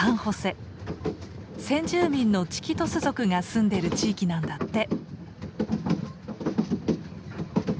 先住民のチキトス族が住んでる地域なんだって。